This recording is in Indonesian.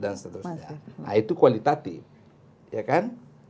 nah itu kualitatif ya kan